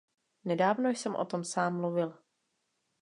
Nedávno jsem o tom sám mluvil.